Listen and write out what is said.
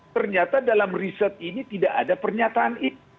ternyata dalam riset ini tidak ada pernyataan itu